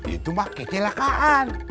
itu mah kecelakaan